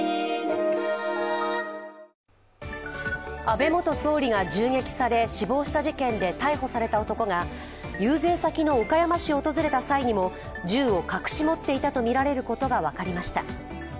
安倍元総理が銃撃され死亡した事件で逮捕された男が、遊説先の岡山市を訪れた際にも銃を隠し持っていたとみられることが分かりました。